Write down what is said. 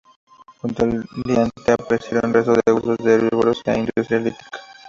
Junto al diente aparecieron restos de huesos de herbívoros e industria lítica.